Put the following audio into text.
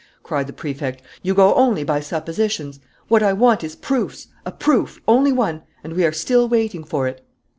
cried the Prefect. "You go only by suppositions. What I want is proofs, a proof, only one. And we are still waiting for it."